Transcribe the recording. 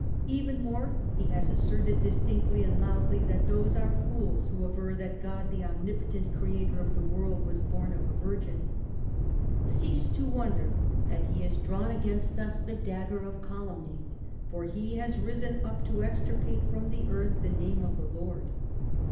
Even more he has asserted distinctly and loudly that those are fools who aver that God, the Omnipotent Creator of the World, was borne of a virgin. ... Cease to wonder that he has drawn against us the dagger of calumny, for he has risen up to extir pate from the earth the name of the Lord.